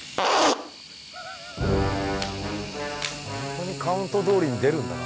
本当にカウントどおりに出るんだな。